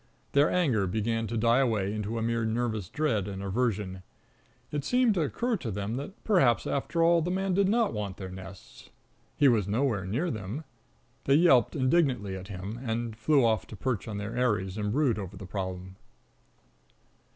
Their anger began to die away into a mere nervous dread and aversion. It seemed to occur to them that perhaps, after all, the man did not want their nests. He was nowhere near them. They yelped indignantly at him, and flew off to perch on their eyries and brood over the problem.